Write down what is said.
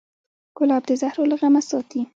ګلاب د زهرو له غمه ساتي.